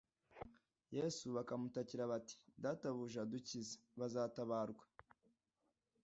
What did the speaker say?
Yesu bakamutakira bati: "Databuja dukize" bazatabarwa.